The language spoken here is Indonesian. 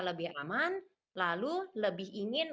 lebih aman lalu lebih ingin